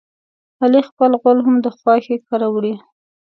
علي خپل غول هم د خواښې کره وړي.